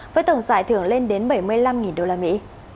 với tổng giải thưởng lên đến bảy mươi năm đô la mỹ